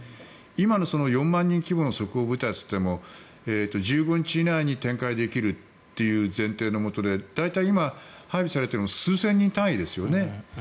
今の４万人規模の即応部隊といっても１５日以内に展開できるという前提のもとで大体今、配備されているのは数千人単位ですよね。